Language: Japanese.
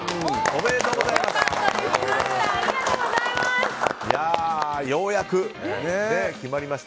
おめでとうございます！